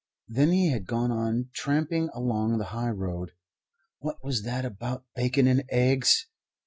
Then he had gone on tramping along the high road. What was that about bacon and eggs?